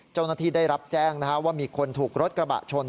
เจ้าหน้าที่ได้รับแจ้งว่ามีคนถูกรถกระบะชน